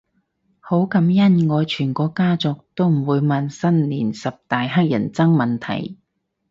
好感恩我全個家族都唔會問新年十大乞人憎問題